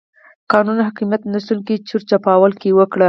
قانون حاکميت نشتون کې چور چپاول وکړي.